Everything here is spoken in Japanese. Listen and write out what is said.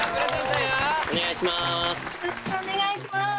お願いします。